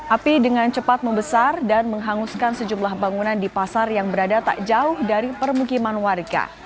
api dengan cepat membesar dan menghanguskan sejumlah bangunan di pasar yang berada tak jauh dari permukiman warga